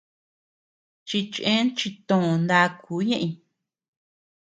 Chichen chitöo nakuu ñeʼëñ.